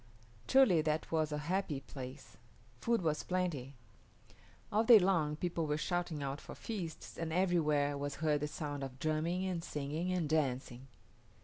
Truly that was a happy place. Food was plenty. All day long people were shouting out for feasts, and everywhere was heard the sound of drumming and singing and dancing.